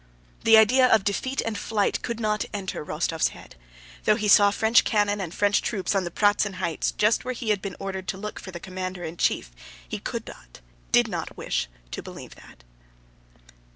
The idea of defeat and flight could not enter Rostóv's head. Though he saw French cannon and French troops on the Pratzen Heights just where he had been ordered to look for the commander in chief, he could not, did not wish to, believe that.